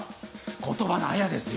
言葉のあやですよ。